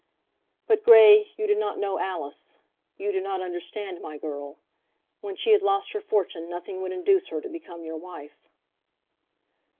"But Grey, you do not know Alice; you do not understand my girl. When she had lost her fortune nothing would induce her to become your wife."